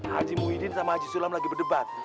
haji muhyiddin sama haji sulam lagi berdebat